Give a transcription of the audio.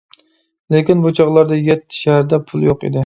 لېكىن بۇ چاغلاردا يەتتە شەھەردە پۇل يوق ئىدى.